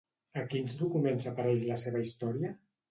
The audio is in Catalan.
A quins documents apareix la seva història?